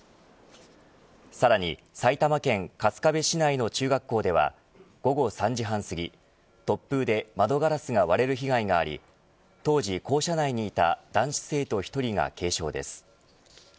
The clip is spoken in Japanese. さらに埼玉県春日部市内の中学校では午後３時半過ぎ突風で窓ガラスが割れる被害があり当時、校舎内にいた男子生徒１人が軽傷です。